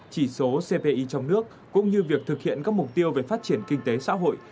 chỉ số cpi trong nước cũng như việc thực hiện các mục tiêu về phát triển kinh tế xã hội